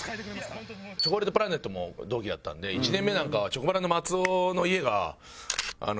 チョコレートプラネットも同期だったんで１年目なんかはチョコプラの松尾の家が。